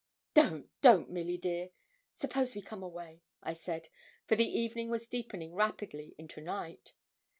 'Don't, don't, Milly dear. Suppose we come away,' I said, for the evening was deepening rapidly into night.